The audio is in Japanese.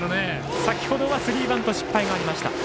先ほどはスリーバント失敗がありました。